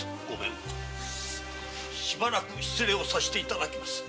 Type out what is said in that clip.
しばらく失礼をさせて頂きます。